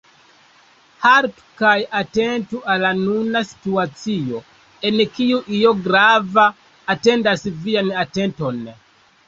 Haltu kaj atentu al la nuna situacio, en kiu io grava atendas vian atenton.